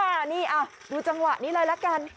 อ่านี่อ่ะดูจังหวะนี้เลยละกัน